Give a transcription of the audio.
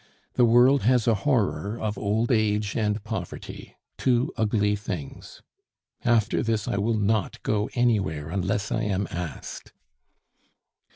"The world has a horror of old age and poverty two ugly things. After this I will not go anywhere unless I am asked."